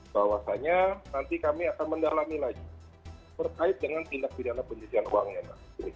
bahwasannya nanti kami akan mendalami lagi berkait dengan tindak pidana pencucian uangnya mbak